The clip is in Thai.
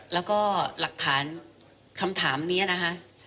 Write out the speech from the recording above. แล้วก็หลักฐานคำถามนี้นะคะ